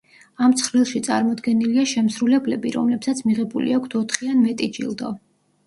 ამ ცხრილში წარმოდგენილია შემსრულებლები, რომლებსაც მიღებული აქვთ ოთხი ან მეტი ჯილდო.